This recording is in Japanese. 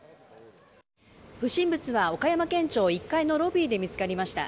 不審物は岡山県庁１階のロビーで見つかりました。